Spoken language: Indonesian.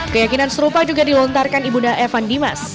keyakinan serupa juga dilontarkan ibunda evan dimas